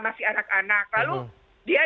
masih anak anak lalu dia